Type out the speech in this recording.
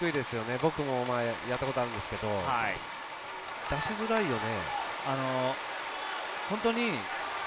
僕も前、やったことあるんですけど、出しづらいよね。